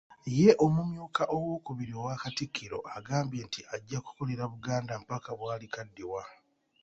Ye Omumyuka owookubiri owa Katikkiro agambye nti ajja kukolera Buganda mpaka bwalikadiwa.